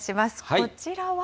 こちらは？